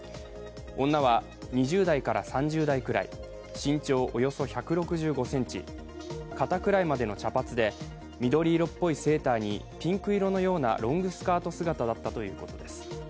女は２０代から３０代くらい、身長およそ１６５ｃｍ、肩くらいまでの茶髪で緑色っぽいセーターにピンク色のようなロングスカート姿だったということです。